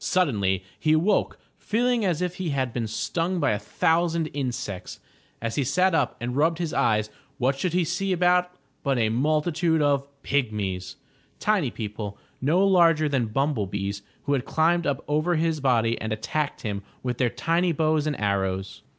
Suddenly he awoke, feeling as if he had been stung by a thousand insects. As he sat up and rubbed, his eyes, what should he see about but a multitude of Pygmies,^ r 432 THE TREASURE CHEST tiny people, no larger than bumble bees, who had climbed up over his body and attacked him with their tiny bows and arrows.